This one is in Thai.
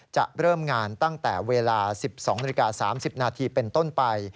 จะเริ่มงานตั้งแต่เวลา๑๒นาฬิกา๓๐นาทีเป็นต้นไป